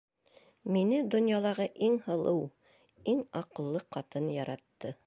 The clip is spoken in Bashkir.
Мине донъялағы иң һылыу, иң аҡыллы ҡатын яратты...